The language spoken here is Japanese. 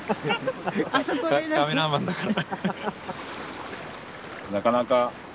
カメラマンだから。